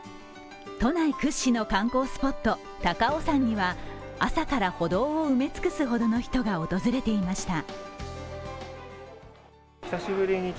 都内屈指の観光スポット、高尾山には朝から歩道を埋め尽くすほどの人が訪れていました。